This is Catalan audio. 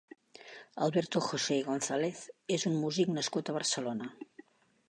Alberto Jose González és un músic nascut a Barcelona.